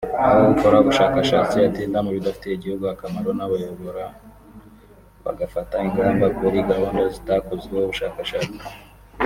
aho ukora ubushakashatsi atinda mu bidafitiye igihugu akamaro n’abayobora bagafata ingamba kuri gahunda zitakozweho ubushakashatsi